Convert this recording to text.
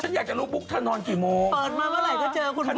ฉันอยากจะรู้บุ๊กเธอนอนกี่โมงเปิดมาเมื่อไหร่ก็เจอคุณทัน